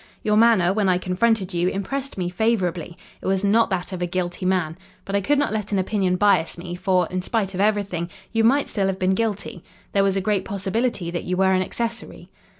"Your manner, when I confronted you, impressed me favourably. It was not that of a guilty man. But I could not let an opinion bias me, for, in spite of everything, you might still have been guilty. There was a great possibility that you were an accessory.